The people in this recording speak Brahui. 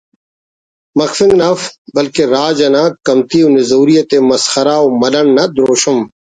مخفنگ نا اف بلکن راج انا کمتی و نزوری تے مسخرہ و ملنڈ نا دروشم